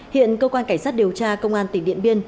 hiện cơ quan cảnh sát điều tra công an tỉnh điện biên